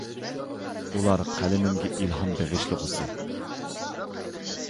ئۇلار قەلىمىمگە ئىلھام بېغىشلىغۇسى.